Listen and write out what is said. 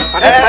pak aikal maaf